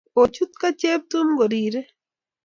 Kochut ko Cheptum ko rirey.